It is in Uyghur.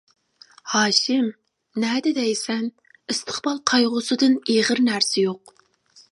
ھاشىم: نەدە دەيسەن، ئىستىقبال قايغۇسىدىن ئېغىر نەرسە يوق.